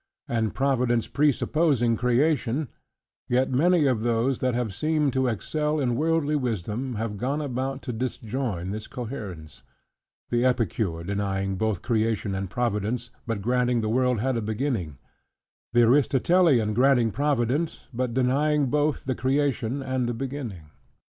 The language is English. and Providence pre supposing Creation: yet many of those that have seemed to excel in worldly wisdom, have gone about to disjoin this coherence; the epicure denying both Creation and Providence, but granting the world had a beginning; the Aristotelian granting Providence, but denying both the creation and the beginning.